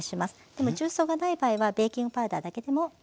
でも重曹がない場合はベーキングパウダーだけでも大丈夫です。